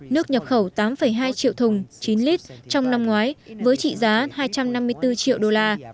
nước nhập khẩu tám hai triệu thùng chín lít trong năm ngoái với trị giá hai trăm năm mươi bốn triệu đô la